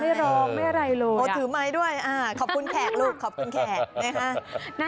ร้องไม่อะไรเลยโอ้ถือไม้ด้วยขอบคุณแขกลูกขอบคุณแขกนะฮะ